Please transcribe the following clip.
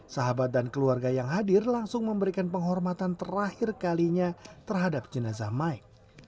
sahabat dan keluarga yang hadir langsung memberikan penghormatan terakhir kalinya terhadap jenazah mike